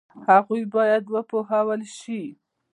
هغوی باید وپوهول شي.